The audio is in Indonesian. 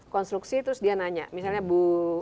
konstruksi terus dia nanya misalnya bu